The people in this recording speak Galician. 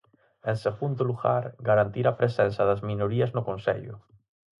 En segundo lugar, garantir a presenza das minorías no Consello.